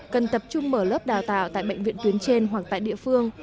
cần tập trung mở lớp đào tạo tại bệnh viện tuyến trên hoặc tại địa phương